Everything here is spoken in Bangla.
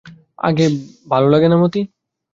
ভালো লাগে না মতি?